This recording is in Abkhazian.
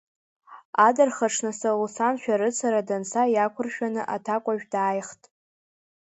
Адырхаҽны Салусан шәарыцара данца иақәыршәаны аҭакәажә дааихт.